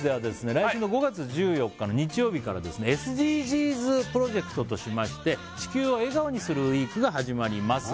来週の５月１４日の日曜日からですねＳＤＧｓプロジェクトとしまして「地球を笑顔にするＷＥＥＫ」が始まります